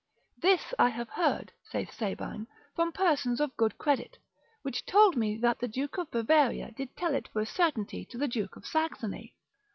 This I have heard, saith Sabine, from persons of good credit, which told me that the Duke of Bavaria did tell it for a certainty to the Duke of Saxony.